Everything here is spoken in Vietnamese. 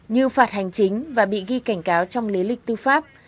như phạt hành chính và bị ghi cảnh cáo trong lý lịch tư pháp